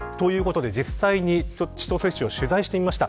実際に千歳市を取材してみました。